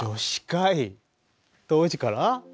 当時から？